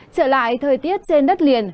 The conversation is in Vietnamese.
trở lại thời tiết trên đất liền